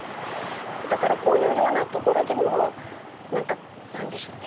こういうような所でも何でしょうね。